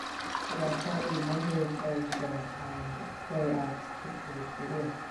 They are currently members of the and play at Sixways Stadium.